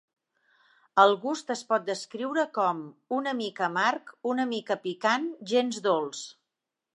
El gust es pot descriure com "una mica amarg, una mica picant, gens dolç".